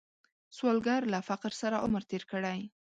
سوالګر له فقر سره عمر تیر کړی